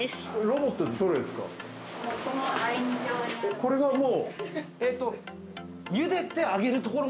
これがもう。